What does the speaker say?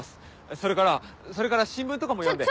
それからそれから新聞とかも読んで。